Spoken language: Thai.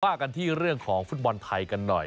ว่ากันที่เรื่องของฟุตบอลไทยกันหน่อย